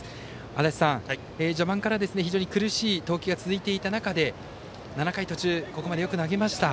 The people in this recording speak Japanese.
足達さん、序盤から非常に苦しい投球が続いていた中で７回途中ここまでよく投げました。